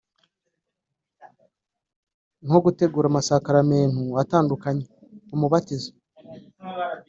nko gutegura amasakaramentu atandukanye (umubatizo